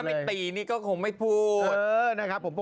ถ้าไม่ตีนี่ก็คงไม่พูด